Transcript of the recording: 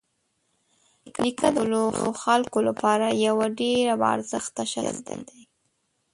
نیکه د خپلو خلکو لپاره یوه ډېره باارزښته شخصيت دی.